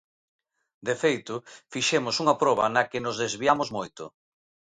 De feito, fixemos unha proba na que nos desviamos moito.